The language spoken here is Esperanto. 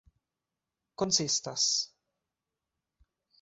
konsistas